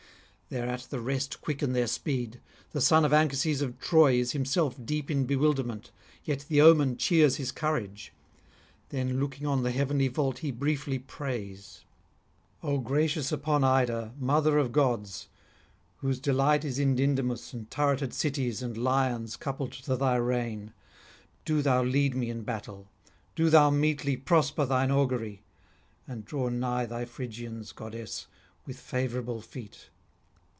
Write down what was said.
Thereat the rest quicken their speed. The son of Anchises of Troy is himself deep in bewilderment; yet the omen cheers his courage. Then looking on the heavenly vault, he briefly prays: 'O gracious upon Ida, mother of gods, whose delight is in Dindymus and turreted cities and lions coupled to thy rein, do thou lead me in battle, do thou meetly prosper thine augury, and draw nigh thy Phrygians, goddess, with favourable feet.'